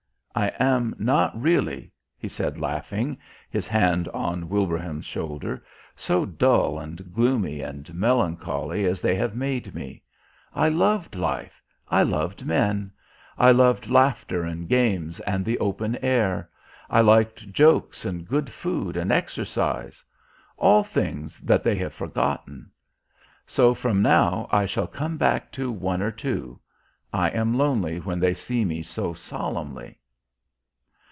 I am not really," He said laughing, His Hand on Wilbraham's shoulder, "so dull and gloomy and melancholy as they have made Me. I loved Life I loved men; I loved laughter and games and the open air I liked jokes and good food and exercise. All things that they have forgotten. So from now I shall come back to one or two.... I am lonely when they see Me so solemnly."